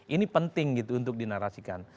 ini penting gitu untuk dinarasikan